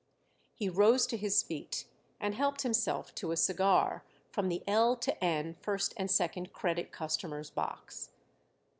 He rose to his feet and helped himself to a cigar from the L to N first and second credit customers' box.